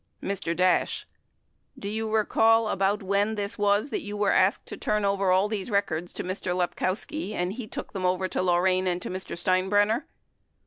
Mr. Dash. Do you recall about when this was that you were asked to turn these records over to Mr. Lepkowski and he took them over to Lorain and to Mr. Steinbrenner?